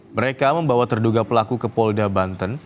mereka membawa terduga pelaku ke polda banten